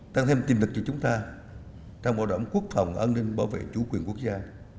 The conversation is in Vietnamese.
tăng thêm tiềm lực cho chúng ta trong bảo đảm quốc phòng an ninh bảo vệ chủ quyền quốc gia